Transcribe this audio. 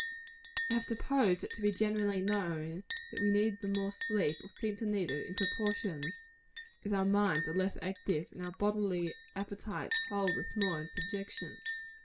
I have supposed it to be generally known, that we need the more sleep, or seem to need it, in proportion as our minds are less active, and our bodily appetites hold us more in subjection.